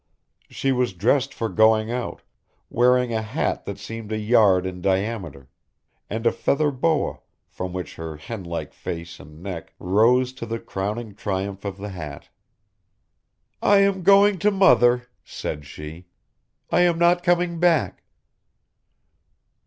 She was dressed for going out, wearing a hat that seemed a yard in diameter, and a feather boa, from which her hen like face and neck rose to the crowning triumph of the hat. "I am going to Mother," said she. "I am not coming back."